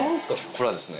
これはですね。